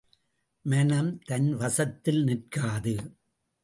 மனம் தன் வசத்தில் நிற்காது.